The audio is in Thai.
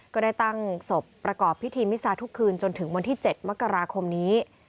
ก็ได้ตั้งศพประกอบพิธีมิซาทุกคืนจนถึงวันที่๗มกราคมนี้